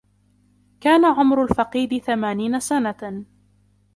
كان عمر الفقيد ثمانين سنة.